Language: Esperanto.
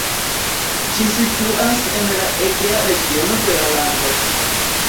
Ĝi situas en la Egea regiono de la lando.